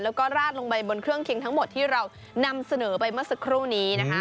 แล้วก็ราดลงไปบนเครื่องคิงทั้งหมดที่เรานำเสนอไปเมื่อสักครู่นี้นะคะ